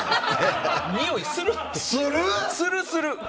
においするって！